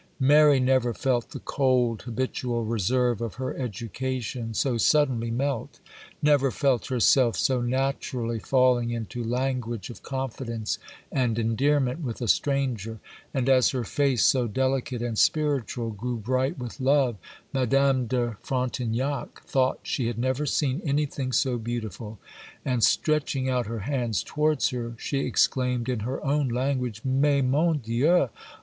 Mary never felt the cold, habitual reserve of her education so suddenly melt, never felt herself so naturally falling into language of confidence and endearment with a stranger; and as her face, so delicate and spiritual, grew bright with love, Madame de Frontignac thought she had never seen anything so beautiful, and stretching out her hands towards her, she exclaimed, in her own language,— '_Mais, mon Dieu!